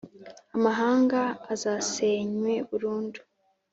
amahanga azasenywe burundu.